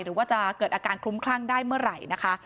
หรือว่าจะเกิดอาการคลุ้มคลั่งได้เมื่อไหร่นะคะ